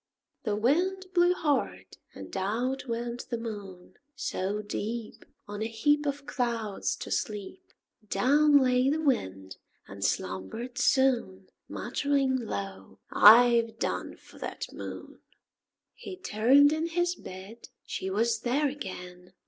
The Wind blew hard, and out went the Moon. So deep, On a heap Of clouds, to sleep, Down lay the Wind, and slumbered soon Muttering low, "I've done for that Moon." He turned in his bed; she was there again!